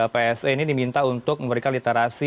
pse ini diminta untuk memberikan literasi